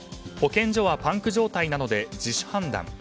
保健所はパンク状態なので自主判断。